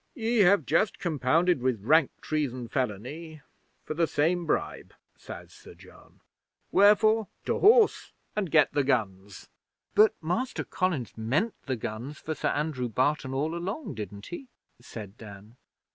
'"Ye have just compounded with rank treason felony for the same bribe," says Sir John. "Wherefore to horse, and get the guns."' 'But Master Collins meant the guns for Sir Andrew Barton all along, didn't he?' said Dan.